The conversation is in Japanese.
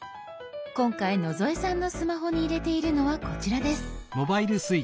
今回野添さんのスマホに入れているのはこちらです。